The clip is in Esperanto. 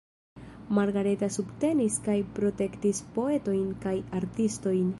Margareta subtenis kaj protektis poetojn kaj artistojn.